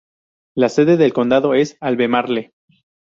La sede del condado es Albemarle.